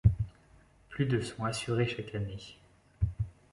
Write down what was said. Plus de sont assurées chaque année.